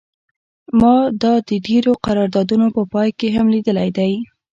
ما دا د ډیرو قراردادونو په پای کې هم لیدلی دی